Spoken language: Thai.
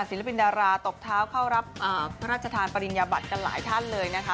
ศิลปินดาราตบเท้าเข้ารับพระราชทานปริญญาบัติกันหลายท่านเลยนะคะ